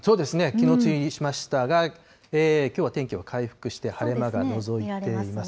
きのう、梅雨入りしましたが、きょうは天気は回復して、晴れ間がのぞいています。